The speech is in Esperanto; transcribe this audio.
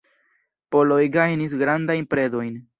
Poloj gajnis grandajn predojn.